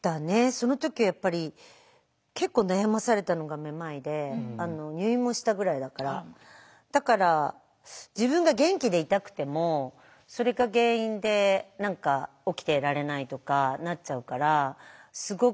その時はやっぱり結構悩まされたのがめまいで入院もしたぐらいだからだから自分が元気でいたくてもそれが原因で何か起きてられないとかなっちゃうからすごく大変だった。